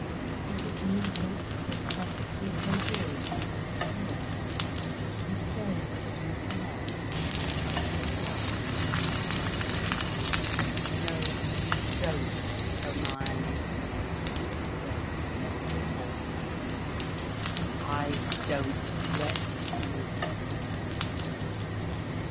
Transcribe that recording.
Yet his movements were perfectly coherent and clear, his soul was entire and unsurprised. "No you don't, Hermione," he said in a low voice. "I don't let you."